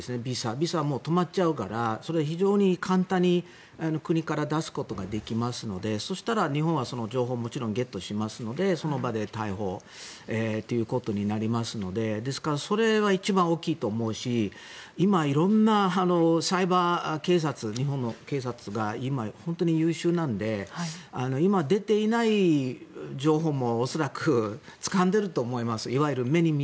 ビザも止まっちゃうからそれは非常に簡単に国から出すことができますのでそしたら、日本はその情報をもちろんゲットしますのでその場で逮捕ということになりますのでですからそれは一番大きいと思うし今、色んなサイバー警察日本の警察が今、本当に優秀なので今出ていない情報も恐らくつかんでると思います。